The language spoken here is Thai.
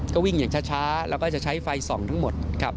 ก็วิ่งอย่างช้าแล้วก็จะใช้ไฟส่องทั้งหมดครับ